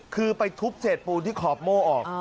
คือไปทุบเศษปูนที่ขอบโม่ออก